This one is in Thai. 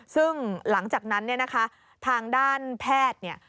ซึ่งหลังจากนั้นทางด้านแพทย์